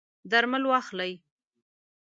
درمل واخلئ